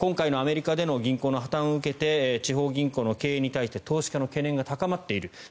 今回のアメリカでの銀行の破たんを受けて地方銀行の経営に対して投資家の懸念が高まっている。